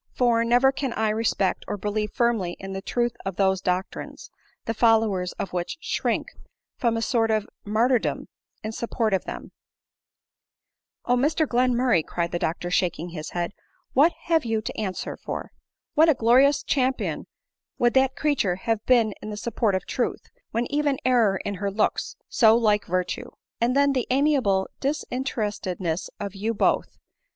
For, never can I respect or believe firmly in the truth of those doctrines, the followers of which shrink from a sort of martyrdom in support of them." Y r ADELINE MOWBRAY. 107 tf O Mr Glenmurray !" cried the doctor shaking his head, " what have you to answer for ! What a glorious champion would that creature have been in the support of truth, when even error in her looks so like virtue ! And then the amiable, disinterestedness of you both